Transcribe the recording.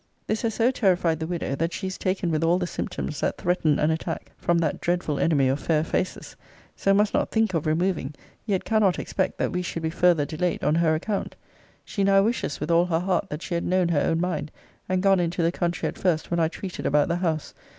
This has so terrified the widow, that she is taken with all the symptoms that threaten an attack from that dreadful enemy of fair faces. So must not think of removing: yet cannot expect, that we should be further delayed on her account. She now wishes, with all her heart, that she had known her own mind, and gone into the country at first when I treated about the house.